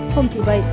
không chỉ vậy